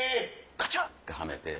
カチャってはめて。